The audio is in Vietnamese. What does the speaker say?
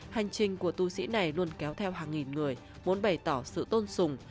hành trình của tu sĩ này luôn kéo theo hàng nghìn người muốn bày tỏ sự tôn sùng